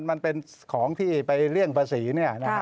มันเป็นของที่ไปเลี่ยงภาษี